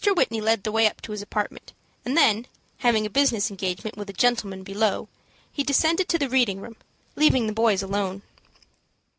Whitney led the way up to his apartment, and then, having a business engagement with a gentleman below, he descended to the reading room, leaving the boys alone.